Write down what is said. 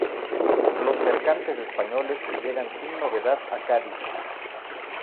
Los mercantes españoles llegan sin novedad a Cádiz.